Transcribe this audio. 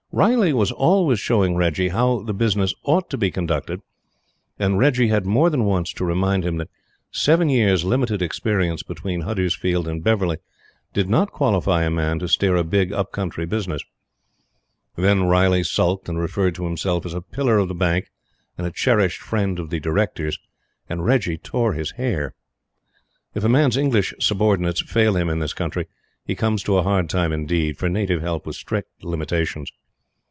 Riley was always showing Reggie how the business ought to be conducted, and Reggie had more than once to remind him that seven years' limited experience between Huddersfield and Beverly did not qualify a man to steer a big up country business. Then Riley sulked and referred to himself as a pillar of the Bank and a cherished friend of the Directors, and Reggie tore his hair. If a man's English subordinates fail him in this country, he comes to a hard time indeed, for native help has strict limitations.